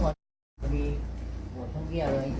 อ๋อเขาบอกไปแล้วเขาบอกปวดต้องเยี่ยวเลย